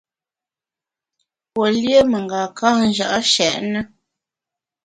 Pue lié mengaka nja’ nshèt ne.